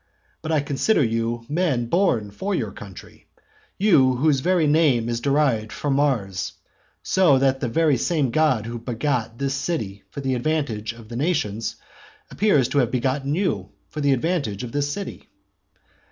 But I consider you men born for your country; you whose very name is derived from Mars, so that the same god who begot this city for the advantage of the nations, appears to have begotten you for the advantage of this city.